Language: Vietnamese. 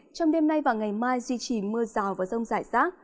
trong đêm nay và ngày mai duy trì mưa rào và rông rải rác